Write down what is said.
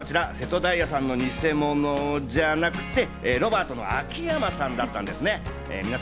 実はこちら瀬戸大也さんのニセモノじゃなくて、ロバートの秋山さんだったんですね。